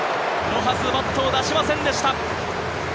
ロハス、バットを出しませんでした。